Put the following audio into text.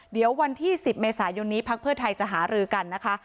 เดี๋ยววันที่๑๐เมษายนนี้พักเพื่อไทยจะหารือกันนะคะ